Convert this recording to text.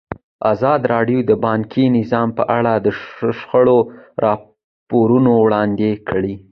ازادي راډیو د بانکي نظام په اړه د شخړو راپورونه وړاندې کړي.